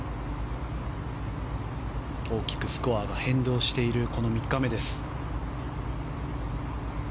大きくスコアが変動している３日目です。